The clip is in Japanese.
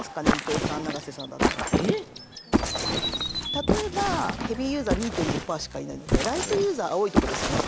例えばヘービーユーザー２．５％しかいないのでライトユーザー青いとこですよね